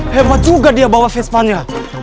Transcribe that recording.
hebat juga dia bawa vespa nya